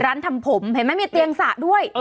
ร้านทำผมเห็นมั้ยมีเตียงสระด้วย